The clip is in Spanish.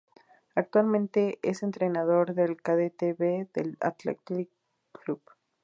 Actualmente es entrenador del Cadete B del Athletic Club.